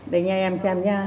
để nghe em xem nha